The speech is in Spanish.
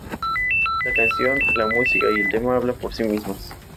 La canción, la música y el tema hablan por sí mismas.